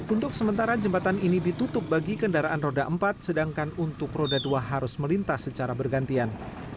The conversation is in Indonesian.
untuk sementara jembatan ini ditutup bagi kendaraan roda empat sedangkan untuk roda dua harus melintas secara bergantian